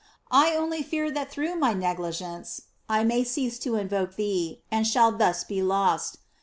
I only fear that through my negligence I may cease to invoke thee, and shall thus be lost.